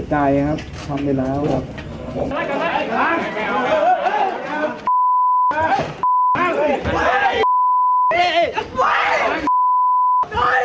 เพราะว่าประมาณสักวันที่แล้วเค้าเวิร์ดมาทำร้ายแล้ว